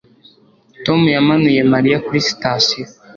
Tom yamanuye Mariya kuri sitasiyo